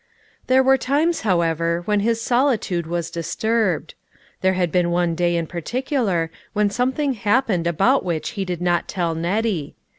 There were times, however, when his solitude was disturbed. There had been one day in particular when something happened about which he did not tell Nettie.